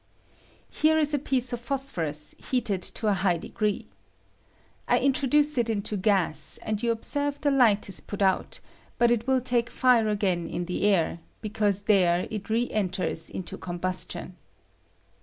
Here is a piece of phosphorus heated to a high degree. I intro duce it into gas, and you observe the light is put out, but it will take fire again in the air, because there it re enters into combustion.